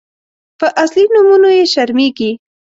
_په اصلي نومونو يې شرمېږي.